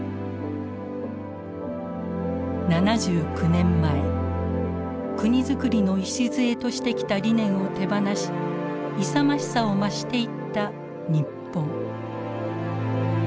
７９年前国づくりの礎としてきた理念を手放し勇ましさを増していった日本。